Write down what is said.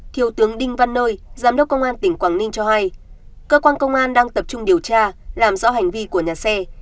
thiếu tướng đinh văn nơi giám đốc công an tỉnh quảng ninh cho hay cơ quan công an đang tập trung điều tra làm rõ hành vi của nhà xe